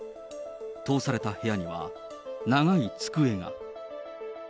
通された部屋には、長い机が。